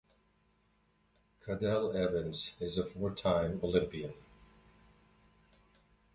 Cadel Evans is a four time Olympian.